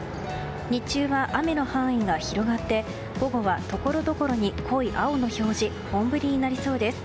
日中は雨の範囲が広がって午後はところどころに濃い青の表示本降りになりそうです。